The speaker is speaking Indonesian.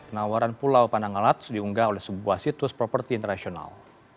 penawaran pulau panangalat diunggah oleh sebuah situs properti internasional